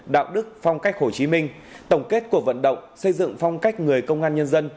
đạo đức phong cách hồ chí minh tổng kết cuộc vận động xây dựng phong cách người công an nhân dân